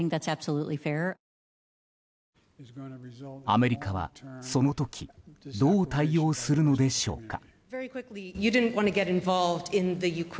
アメリカは、その時どう対応するのでしょうか。